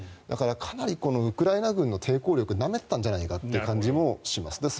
だから、かなりウクライナ軍の抵抗力をなめていたんじゃないかという気がします。